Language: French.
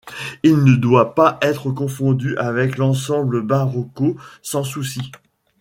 Il ne doit pas être confondu avec l'Ensemble Barocco Sans Souci.